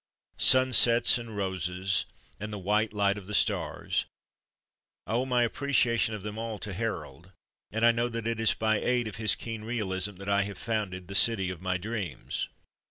Sunsets and roses and the white light of the stars I owe my appreciation of them all to Harold ; 104 THE DAY BEFORE YESTERDAY and I know that it is by aid of his keen realism that I have founded the city of my dreams.